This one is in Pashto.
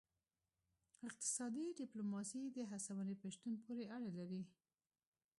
اقتصادي ډیپلوماسي د هڅونې په شتون پورې اړه لري